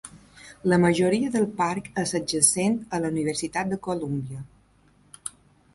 La majoria del parc és adjacent a la Universitat de Columbia.